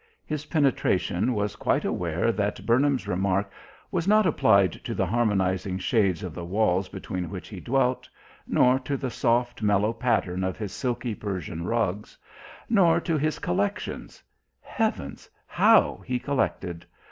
His penetration was quite aware that Burnham's remark was not applied to the harmonizing shades of the walls between which he dwelt, nor to the soft, mellow pattern of his silky Persian rugs, nor to his collections heavens, how he collected!